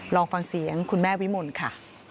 ลองฟังเสียงคุณแม่วิมลค่ะ